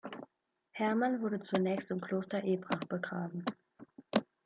Hermann wurde zunächst im Kloster Ebrach begraben.